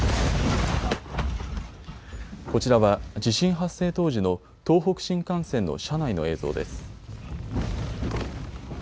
こちらは地震発生当時の東北新幹線の車内の映像です。